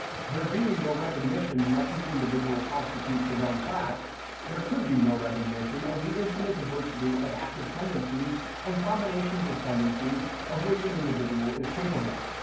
There being no recognition that each individual constitutes his own class, there could be no recognition of the infinite diversity of active tendencies and combinations of tendencies of which an individual is capable.